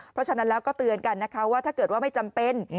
เพราะฉะนั้นแล้วก็เตือนกันนะคะว่าถ้าเกิดว่าไม่จำเป็น